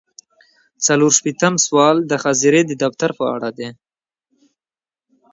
څلور شپیتم سوال د حاضرۍ د دفتر په اړه دی.